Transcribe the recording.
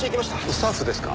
スタッフですか。